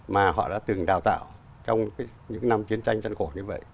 mà họ đã từng đào tạo trong những năm chiến tranh gian khổ như vậy